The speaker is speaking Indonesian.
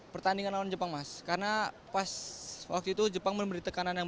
pertandingan lawan jepang mas karena pas waktu itu jepang memberi tekanan yang